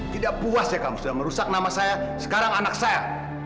tidak puas ya kamu sudah merusak nama saya sekarang anak saya